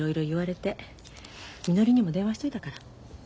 みのりにも電話しといたから。